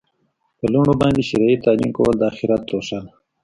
په لوڼو باندي شرعي تعلیم کول د آخرت توښه ده